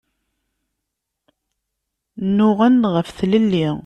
Nuɣen ɣef tlelli.